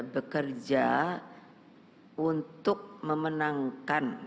bekerja untuk memenangkan